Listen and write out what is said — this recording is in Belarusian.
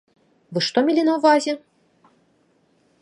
Вы што мелі на ўвазе?